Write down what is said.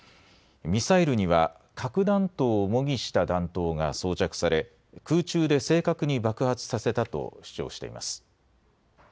ミサイルには核弾頭を模擬した弾頭が装着され、空中で正確に爆発させたと主張しています。